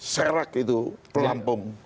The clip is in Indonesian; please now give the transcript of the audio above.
serak itu pelampung